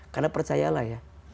karena percayalah ya